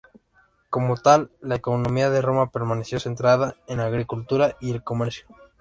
Como tal, la economía de Roma permaneció centrada en la agricultura y el comercio.